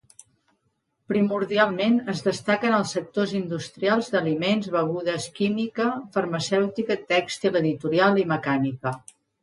Primordialment es destaquen els sectors industrials d'aliments, begudes química, farmacèutica, tèxtil, editorial i mecànica.